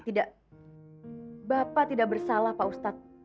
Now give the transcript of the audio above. tidak bapak tidak bersalah pak ustadz